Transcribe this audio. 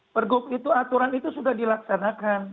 pergub itu aturan itu sudah dilaksanakan